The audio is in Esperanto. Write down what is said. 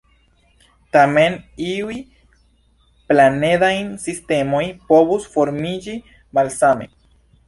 Tamen, iuj planedaj sistemoj povus formiĝi malsame.